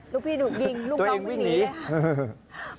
ลูกพี่ถูกยิงลูกน้องวิ่งหนี